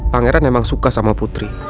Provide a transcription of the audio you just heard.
pangeran memang suka sama putri